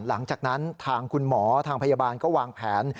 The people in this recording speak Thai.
หลังจากนั้นทางคุณหมอทางพยาบาลก็วางแผน